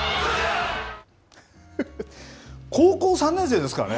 高校３年生ですからね。